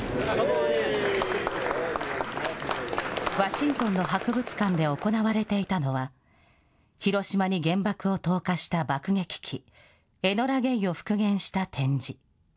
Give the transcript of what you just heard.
ワシントンの博物館で行われていたのは、広島に原爆を投下した爆撃機、エノラ・ゲイを復元した展示。